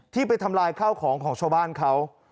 ไปทำลายข้าวของของชาวบ้านเขา